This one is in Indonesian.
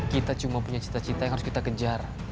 kita cuma punya cita cita yang harus kita kejar